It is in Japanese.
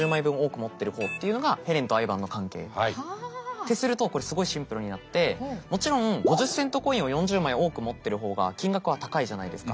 ってするとこれすごいシンプルになってもちろん５０セントコインを４０枚多く持ってる方が金額は高いじゃないですか。